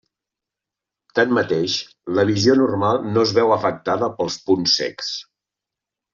Tanmateix, la visió normal no es veu afectada pels punts cecs.